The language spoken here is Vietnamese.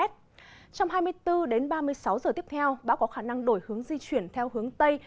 trong hai mươi bốn đến ba mươi sáu giờ tiếp theo bão có khả năng đổi hướng di chuyển theo hướng tây